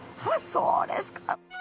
そうですか。